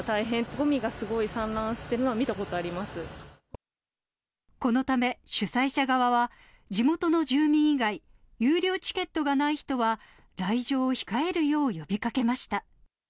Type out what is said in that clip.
ごみがすごい散乱してるのは見たこのため、主催者側は、地元の住民以外、有料チケットがない人は、来場を控えるよう呼びかけました。